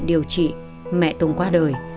tùng đã được điều trị mẹ tùng qua đời